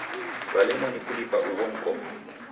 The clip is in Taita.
W'elemwa ni kulipa ugho mkopo.